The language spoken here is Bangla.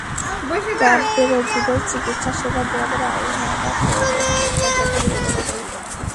ক্যাম্পে রোগীদের চিকিৎসাসেবা দেন রায়হানা ফেরদৌস, মুক্তা চৌধুরী, রুবেল এবং ইমন।